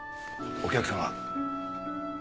お客様。